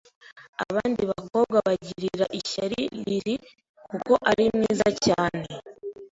Abandi bakobwa bagirira ishyari Lily kuko ari mwiza cyane.